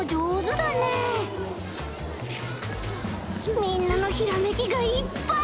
みんなのひらめきがいっぱい！